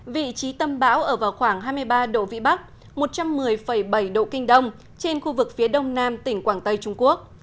vị trí tâm bão ở vào khoảng hai mươi ba độ vĩ bắc một trăm một mươi bảy độ kinh đông trên khu vực phía đông nam tỉnh quảng tây trung quốc